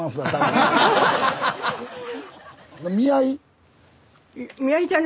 見合い？